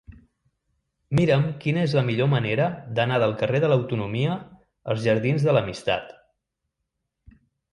Mira'm quina és la millor manera d'anar del carrer de l'Autonomia als jardins de l'Amistat.